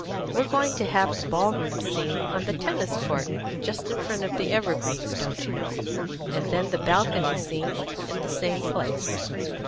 We're going to have the ball room scene on the tennis court just in front of the evergreens, don't you know, and then the balcony scene in the same place.